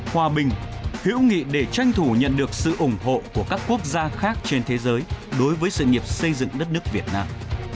hòa bình hữu nghị để tranh thủ nhận được sự ủng hộ của các quốc gia khác trên thế giới đối với sự nghiệp xây dựng đất nước việt nam